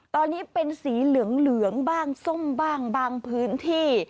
ตอนนี้เป็นสีเหลืองบ้างส้มบ้างบางพื้นที่